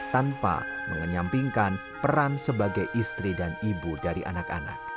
tanpa mengenyampingkan peran sebagai istri dan ibu dari anak anak